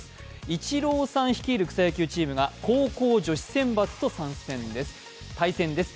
イチローさん率いる草野球チームが高校女子選抜と対戦です。